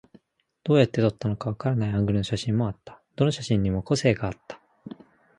どうやって撮ったのかわからないアングルの写真もあった。どの写真にも個性があった。